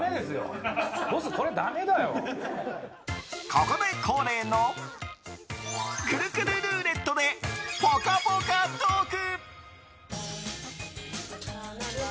ここで恒例のくるくるルーレットでぽかぽかトーク！